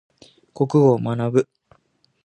国語を学ぶ。